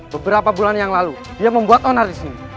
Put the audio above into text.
beberapa bulan yang lalu dia membuat onar di sini